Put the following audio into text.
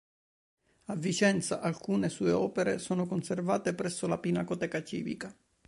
A Vicenza, alcune sue opere sono conservate presso la Pinacoteca Civica.